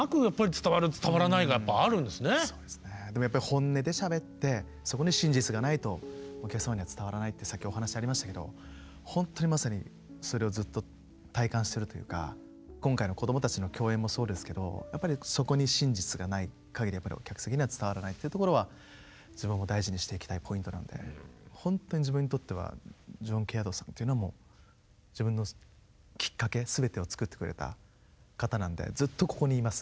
でもやっぱり本音でしゃべってそこに真実がないとお客様には伝わらないってさっきお話ありましたけどほんとにまさにそれをずっと体感してるというか今回のこどもたちの共演もそうですけどやっぱりそこに真実がないかぎり客席には伝わらないっていうところは自分も大事にしていきたいポイントなんでほんとに自分にとってはジョン・ケアードさんというのは自分のきっかけすべてを作ってくれた方なんでずっとここにいます